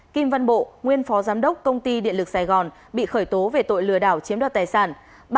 kim văn bộ nguyên phó giám đốc công ty điện lực sài gòn bị khởi tố về tội lừa đảo chiếm đoạt tài sản